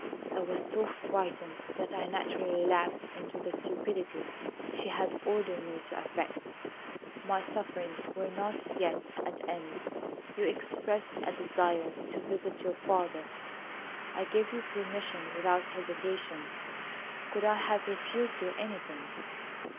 I was so frightened that I naturally relapsed into the stupidity she had ordered me to affect. My sufferings were not yet at an end. You expressed a desire to visit your father. I gave you permission without hesitation. Could I have refused you anything?